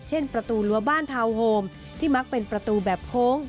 ประตูรั้วบ้านทาวน์โฮมที่มักเป็นประตูแบบโค้ง